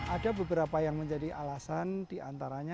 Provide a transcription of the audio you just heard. ada beberapa yang menjadi alasan diantaranya